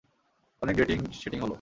অনেক ডেটিং-শেটিং হলো।